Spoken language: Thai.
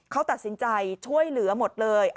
เขาตัดสินใจช่วยเหลือหมดเลย